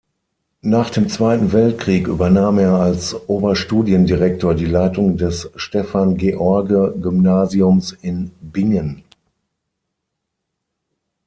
Nach dem Zweiten Weltkrieg übernahm er als Oberstudiendirektor die Leitung des Stefan-George-Gymnasiums in Bingen.